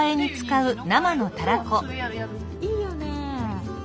いいよね。